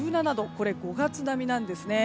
これは５月並みなんですね。